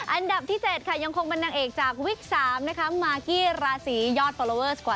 อันดับที่๗ค่ะยังคงเป็นนางเอกจากวิก๓นะคะมากิราศรียอดฟอร์โลเวอร์๓๖๘๐๐๐๐คนค่ะ